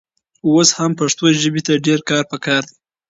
اوس هم پښتو ژبې ته ډېر کار پکار دی.